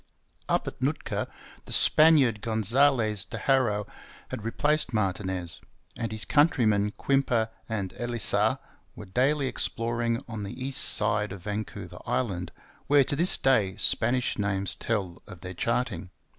Up at Nootka the Spaniard Gonzales de Haro had replaced Martinez; and his countrymen Quimper and Elisa were daily exploring on the east side of Vancouver Island, where to this day Spanish names tell of their charting.